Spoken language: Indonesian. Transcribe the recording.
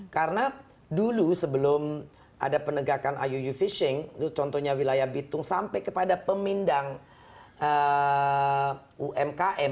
karena dulu sebelum ada penegakan iuu fishing itu contohnya wilayah bitung sampai kepada pemindang umkm